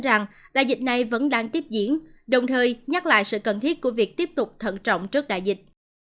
rằng đại dịch này vẫn đang tiếp diễn đồng thời nhắc lại sự cần thiết của việc tiếp tục thận trọng trước đại dịch